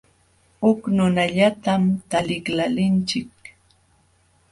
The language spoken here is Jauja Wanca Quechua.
Huk nunallatam taliqlaalinchik.